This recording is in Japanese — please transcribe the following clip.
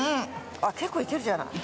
結構いけるじゃない。